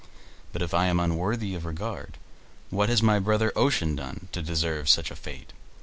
But if I am unworthy of regard, what has my brother Ocean done to deserve such a fate?